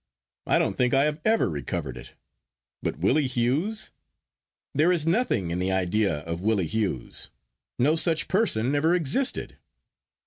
I don't think I have ever recovered it. But Willie Hughes? There is nothing in the idea of Willie Hughes. No such person ever existed.